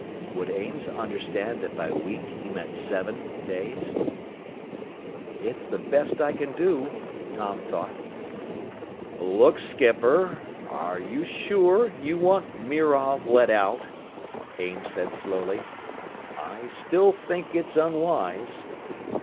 Would Ames understand that by "week" he meant seven days?... "It's the best I can do," Tom thought. "Look, skipper, are you sure you want Mirov let out?" Ames said slowly. "I still think it's unwise."